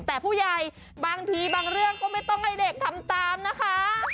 แต่ผู้ใหญ่บางทีบางเรื่องก็ไม่ต้องให้เด็กทำตามนะคะ